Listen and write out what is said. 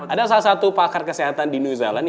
ada salah satu pakar kesehatan di new zealand